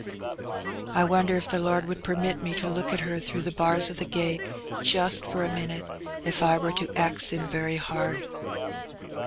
I wonder if the Lord would permit me to look at her through the bars o' the gate just for a minit, if I wur to ax Him very hard?